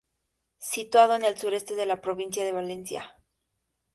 Situado en el sureste de la provincia de Valencia.